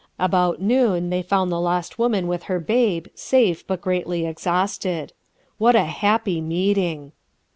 About noon they found the lost woman with her babe, safe, but greatly exhausted. What a happy meeting!